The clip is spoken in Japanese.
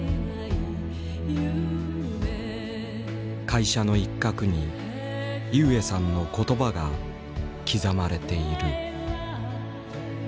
会社の一角に井植さんの言葉が刻まれている。